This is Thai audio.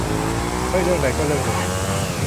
ไม่เรื่องใดก็เรื่องหนึ่ง